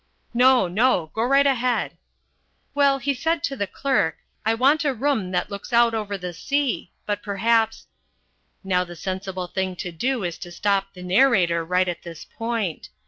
"No, no, go right ahead." "Well, he said to the clerk, 'I want a room that looks out over the sea' but perhaps " Now the sensible thing to do is to stop the narrator right at this point.